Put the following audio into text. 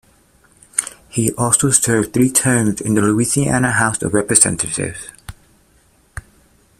He also served three terms in the Louisiana House of Representatives.